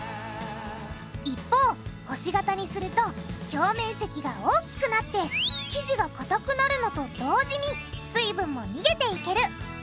一方星型にすると表面積が大きくなって生地がかたくなるのと同時に水分も逃げていける。